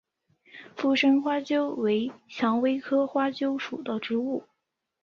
附生花楸为蔷薇科花楸属的植物。